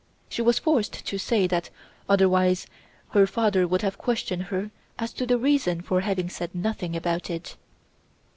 She was forced to say that, otherwise her father would have questioned her as to her reason for having said nothing about it.